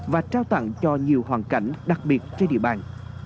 và trao tặng cho nhiều hoàn cảnh đặc biệt trên địa bàn